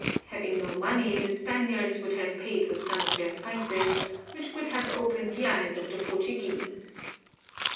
Having no money the Spaniards would have paid with some of their spices, which would have opened the eyes of the Portuguese.